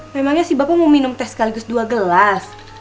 memangnya si bapak mau minum teh sekaligus dua gelas